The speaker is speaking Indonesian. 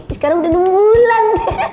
eh sekarang udah enam bulan